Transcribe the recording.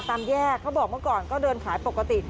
ตามแยกเขาบอกเมื่อก่อนก็เดินขายปกติ